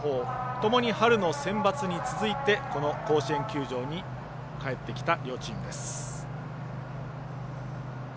ともに春のセンバツに続いてこの甲子園球場に帰ってきた両チームです。